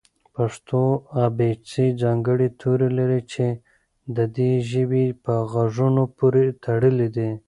پښتو ابېڅې ځانګړي توري لري چې د دې ژبې په غږونو پورې تړلي دي.